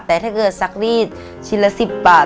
แต่ถ้าเกิดซักรีดชิ้นละ๑๐บาท